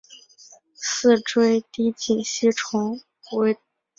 似锥低颈吸虫为棘口科低颈属的动物。